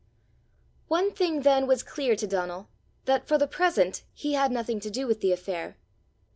One thing then was clear to Donal, that for the present he had nothing to do with the affair.